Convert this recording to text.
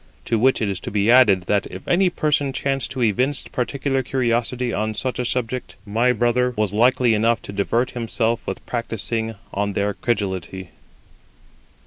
To which it is to be added that if any person chanced to evince particular curiosity on such a subject, my brother was likely enough to divert himself with practising on their credulity.